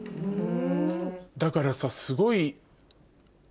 だからさすごい。